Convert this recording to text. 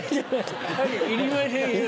はいいりませんよ。